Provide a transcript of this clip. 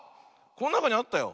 こんなかにあったよ。